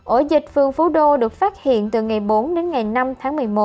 ổ dịch phường phú đô được phát hiện từ ngày bốn đến ngày năm tháng một mươi một